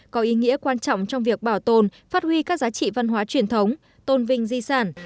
có ý nghĩa quan trọng trong việc bảo tồn phát huy các giá trị văn hóa truyền thống tôn vinh di sản